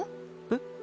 えっ？